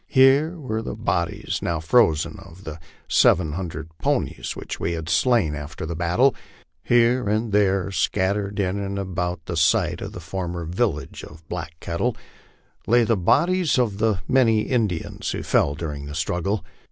Here were the bodies, now frozen, of the seven hundred ponies which we had slain after the battle ; here and there, scattered in and about the site of the former village of Black Kettle, lay the bodies of many of the Indians who fell during the struggle.